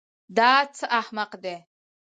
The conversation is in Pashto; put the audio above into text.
دا څه احمق دی.